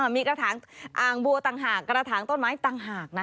มีกระถางอ่างบัวต่างหากกระถางต้นไม้ต่างหาก